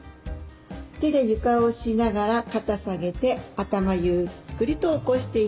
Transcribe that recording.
手で床を押しながら肩下げて頭ゆっくりと起こしていきます。